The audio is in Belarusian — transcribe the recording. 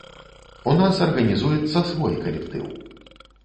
У нас арганізуецца свой калектыў.